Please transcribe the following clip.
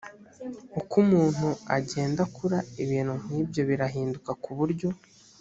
uko umuntu agenda akura ibintu nk ibyo birahinduka ku buryo